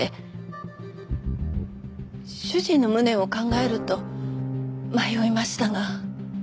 主人の無念を考えると迷いましたが。